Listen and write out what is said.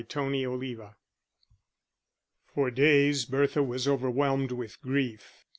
Chapter XVIII For days Bertha was overwhelmed with grief.